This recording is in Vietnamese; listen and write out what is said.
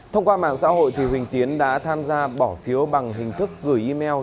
thông qua mạng xã hội huỳnh tiến đã tham gia bỏ phiếu bằng hình thức gửi email